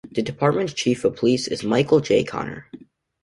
The department's Chief of Police is Michael J. Conner.